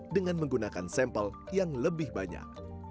dengan menggunakan sampel yang lebih banyak